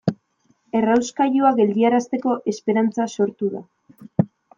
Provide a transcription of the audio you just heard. Errauskailua geldiarazteko esperantza sortu da.